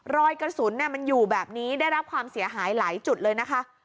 รอยกระสุนมันอยู่แบบนี้ได้รับความเสียหายหลายจุดเลยนะคะ